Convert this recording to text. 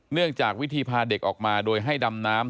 จากวิธีพาเด็กออกมาโดยให้ดำน้ำ